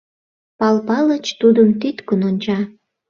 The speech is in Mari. Пал Палыч тудым тӱткын онча.